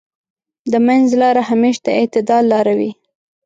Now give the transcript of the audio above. د منځ لاره همېش د اعتدال لاره وي.